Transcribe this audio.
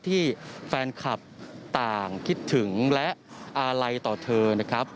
ที่แฟนคลับต่างคิดถึงและอาลัยต่อเธอนะครับ